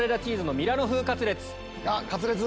カツレツ！